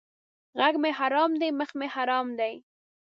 ږغ مې حرام دی مخ مې حرام دی!